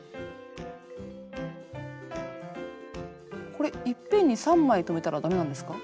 これいっぺんに３枚留めたらダメなんですか？